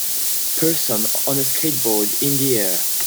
person on a skateboard in the air